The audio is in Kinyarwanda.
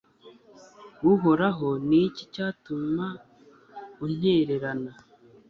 uhoraho, ni iki cyatuma untererana